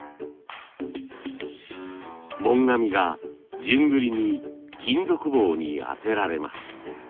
紋紙が順繰りに金属棒に当てられます。